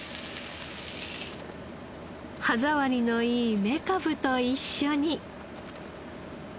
歯触りのいいめかぶと一緒に。